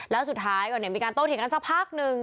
แล้วสุดท้ายก็มีการโต้เถียงกันสักพักหนึ่ง